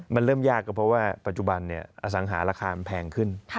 มันเริ่มยากก็เพราะว่าปัจจุบันอสังหาราคามันแพงขึ้น